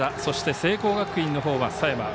そして聖光学院のほうは佐山。